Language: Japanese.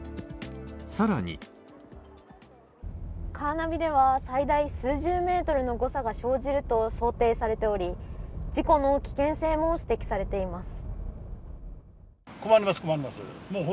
さらにカーナビでは最大数十ｍの誤差が生じると想定されており、事故の危険性も指摘されています。